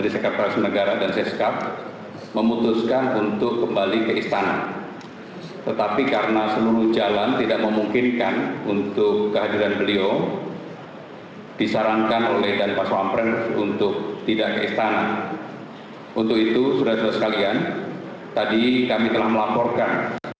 saya minta para penjurasa untuk kembali ke tempat yang telah ditemukan